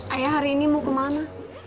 ayah hari ini mau kemana